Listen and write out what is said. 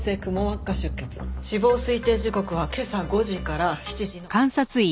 死亡推定時刻は今朝５時から７時の間。